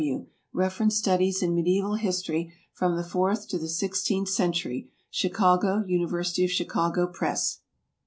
W. "Reference Studies in Mediæval History (from the fourth to the sixteenth century)." Chicago, University of Chicago Press.